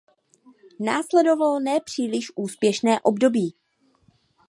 Následovalo ne příliš úspěšné období.